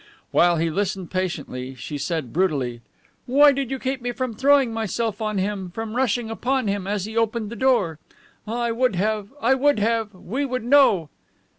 While he listened patiently, she said brutally: "Why did you keep me from throwing myself on him, from rushing upon him as he opened the door? Ah, I would have, I would have... we would know."